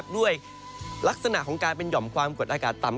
ด้วยลักษณะของการเป็นห่อมความกดอากาศต่ำ